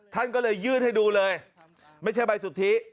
ท่านก็เลยยืดให้ดูเลยไม่ใช่ใบสุทธิ